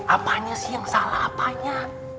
apanya sih yang salah apanya